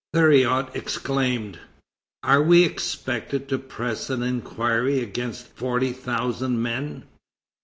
Thuriot exclaimed: "Are we expected to press an inquiry against forty thousand men?"